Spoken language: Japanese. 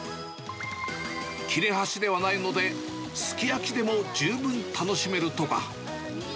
切れ端ではないので、すき焼きでも十分楽しめるとか。